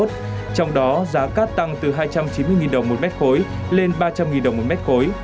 trong đó giá cát tăng từ hai trăm chín mươi đồng một mét khối lên ba trăm linh đồng một mét khối